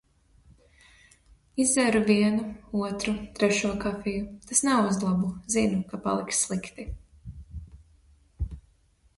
Izdzēru vienu, otru, trešo kafiju, tas nav uz labu, zinu, ka paliks slikti.